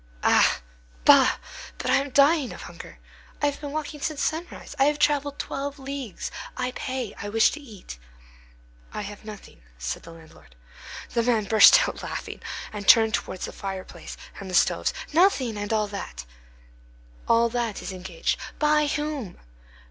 "Ah! bah! But I am dying of hunger. I have been walking since sunrise. I have travelled twelve leagues. I pay. I wish to eat." "I have nothing," said the landlord. The man burst out laughing, and turned towards the fireplace and the stoves: "Nothing! and all that?" "All that is engaged." "By whom?"